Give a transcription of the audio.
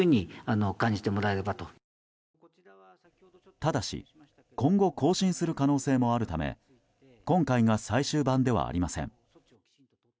ただし今後更新する可能性もあるため今回が最終版ではありません。